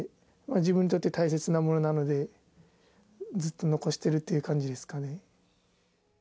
自分にとっては大切なものなので、ずっと残してるという感じですかね。